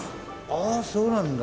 ああそうなんだ。